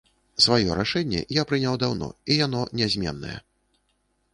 Сваё рашэнне я прыняў даўно, і яно нязменнае.